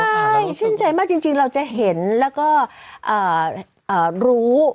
ใช่ชื่นใจมากจริงเราจะเห็นแล้วก็รู้